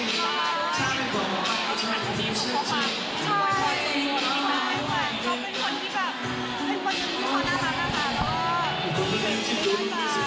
คือยังไม่รู้ได้เรื่อย